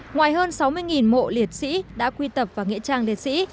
ngoài hơn sáu mươi mộ liệt sĩ đã quy tập vào nghệ trang liệt sĩ